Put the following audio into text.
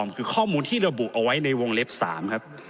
คือข้อมูลที่ระบุเอาไว้ในวงเล็บ๓ครับ